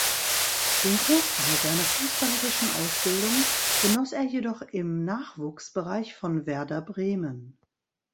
Den Großteil seiner fußballerischen Ausbildung genoss er jedoch im Nachwuchsbereich von Werder Bremen.